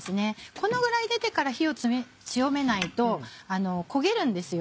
このぐらい出てから火を強めないと焦げるんですよ。